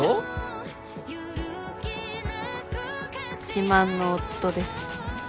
自慢の夫です。